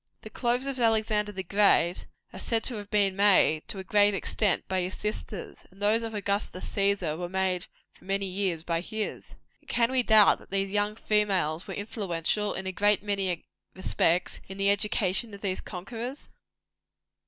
The clothes of Alexander the Great, are said to have been made, to a very great extent, by his sisters; and those of Augustus Cæsar were made for many years, by his. And can we doubt that these young females were influential, in a great many respects, in the education of these conquerors?